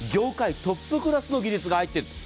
業界トップクラスの技術が入っている。